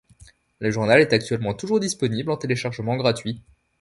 Le journal est actuellement toujours disponible en téléchargement gratuit.